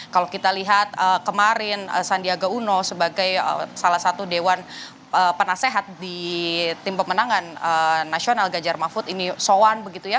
kalau kita lihat kemarin sandiaga uno sebagai salah satu dewan penasehat di tim pemenangan nasional ganjar mahfud ini soan begitu ya